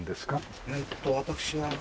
えっと私は。